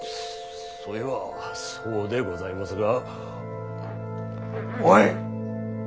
そいはそうでございもすがおい。